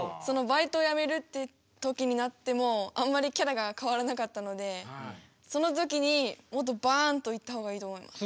バイトやめるって時になってもあんまりキャラがかわらなかったのでその時にもっとバーンといった方がいいと思います。